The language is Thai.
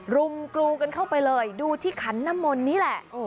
รุมกรูกันเข้าไปเลยดูที่ขันน้ำมนต์นี่แหละ